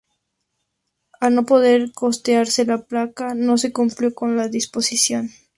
Al no poder costearse la placa no se cumplió con la disposición.